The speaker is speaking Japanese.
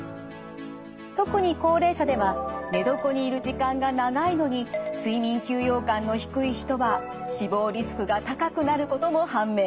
特に高齢者では寝床にいる時間が長いのに睡眠休養感の低い人は死亡リスクが高くなることも判明。